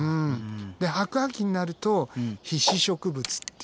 で白亜紀になると被子植物っていう。